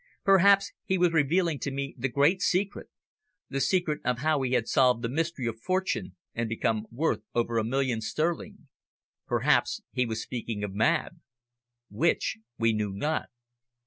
Perhaps he was revealing to me the great secret the secret of how he had solved the mystery of fortune and become worth over a million sterling perhaps he was speaking of Mab. Which we knew not.